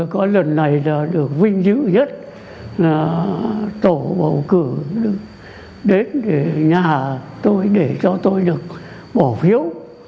có lần này là được vinh dự nhất là tổ bầu cử đến để nhà tôi để cho tôi được bỏ phiếu